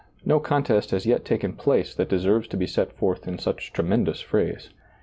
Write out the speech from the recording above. No contest has yet taken place that deserves to be set forth in such tremendous phrase.